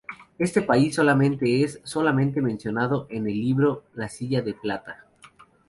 Este país solamente es solamente mencionado en el libro "La silla de plata".